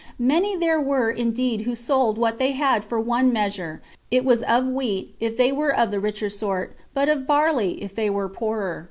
Many there were indeed who sold what they had for one measure; it was of wheat, if they were of the richer sort; but of barley, if they were poorer.